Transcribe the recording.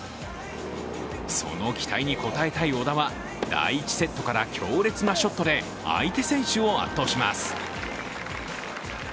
その期待に応えたい小田は、第１セットから強烈なショットで相手選手を圧倒します。